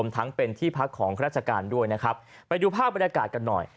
ทั้งเป็นที่พักของราชการด้วยนะครับไปดูภาพบรรยากาศกันหน่อย